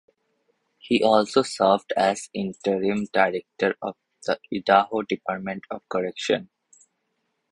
He also served as interim director of the Idaho Department of Correction.